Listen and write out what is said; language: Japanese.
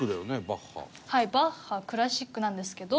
バッハクラシックなんですけど。